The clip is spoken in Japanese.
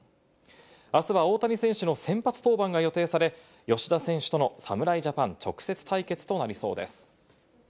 明日は大谷選手の先発登板が予定され、吉田選手との侍ジャパン直接対決となりそうです。